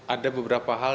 ada beberapa hal